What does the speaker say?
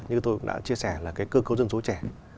như tôi cũng đã chia sẻ là cái cơ cấu dân số trẻ